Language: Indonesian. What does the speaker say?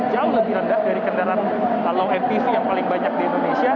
jauh lebih rendah dari kendaraan low mpv yang paling banyak di indonesia